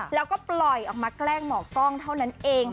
แล้วก็ปล่อยออกมาแกล้งหมอกล้องเท่านั้นเอง